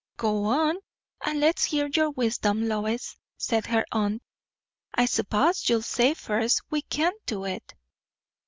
"Go on, and let's hear your wisdom, Lois," said her aunt. "I s'pose you'll say first, we can't do it."